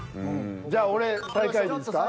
じゃあ俺最下位でいいですか。